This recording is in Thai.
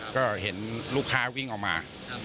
ก็เห็นลูกค้าวิ่งออกมา